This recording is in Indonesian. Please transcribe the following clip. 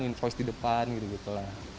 invoice di depan gitu gitu lah